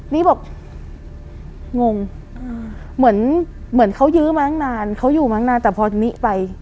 นิบอกงงเหมือนเค้ายื้อมานานเค้าอยู่มานานแต่พอนิไป